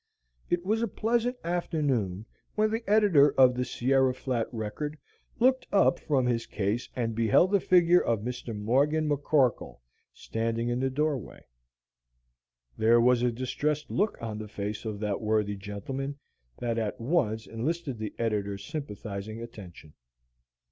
It was a pleasant afternoon when the editor of the "Sierra Flat Record" looked up from his case and beheld the figure of Mr. Morgan McCorkle standing in the doorway. There was a distressed look on the face of that worthy gentleman that at once enlisted the editor's sympathizing attention.